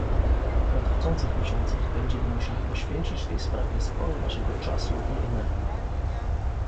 W nadchodzących miesiącach będziemy musieli poświęcić tej sprawie sporo naszego czasu i energii